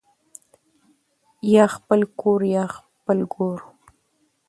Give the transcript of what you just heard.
ـ يا خپل کور يا خپل ګور.